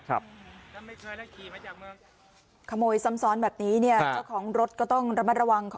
ขโมยซ้ำซ้อนแบบนี้เจ้าของรถก็ต้องระมัดระวัง